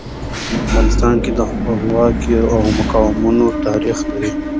افغانستان د خپلواکیو او مقاومتونو تاریخ لري.